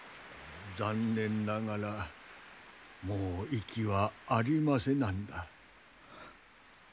残念ながらもう息はありませなんだ。